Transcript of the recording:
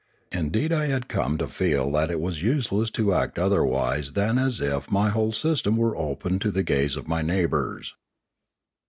Indeed I had come to feel that it was useless to act otherwise than as if my whole system were open to the gaze of my neighbours.